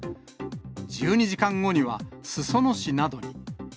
１２時間後には、裾野市などに。